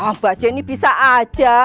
mbak jenny bisa aja